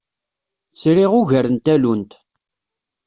Sriɣ ugar n tallunt.